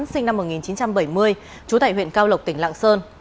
sinh năm một nghìn chín trăm bảy mươi trú tại huyện cao lộc tỉnh lạng sơn